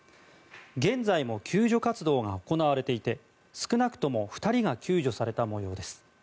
現在も救助活動が行われていて少なくとも２人が救助された模様です。